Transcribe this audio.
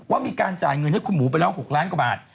ว่ามีการจ่ายเงินให้คุณหมูไปแล้ว๖ล้านกว่าบาท